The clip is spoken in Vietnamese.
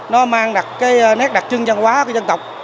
nó mang đặc cái nét đặc trưng văn hóa của dân tộc